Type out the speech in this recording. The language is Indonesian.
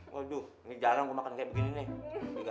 waduh ini jarang gua makan kaya begini nih